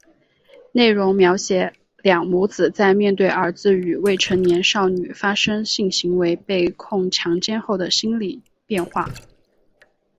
内容描写两母子在面对儿子与未成年少女发生性行为被控强奸后的心理变化。